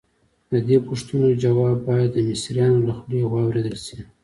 د دې پوښتنو ځواب باید د مصریانو له خولې واورېدل شي.